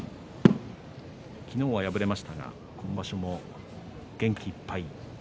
昨日は敗れましたが今場所も元気いっぱい。